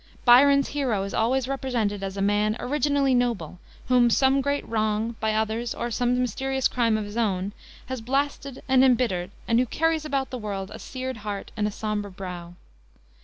Byron's hero is always represented as a man originally noble, whom some great wrong, by others, or some mysterious crime of his own, has blasted and embittered, and who carries about the world a seared heart and a somber brow.